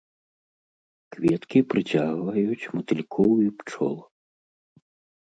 Кветкі прыцягваюць матылькоў і пчол.